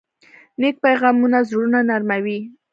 نیک پیغامونه زړونه نرموي.